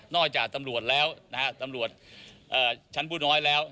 นอกจากตำรวจแล้วนะครับตำรวจชั้นพูดน้อยแล้ว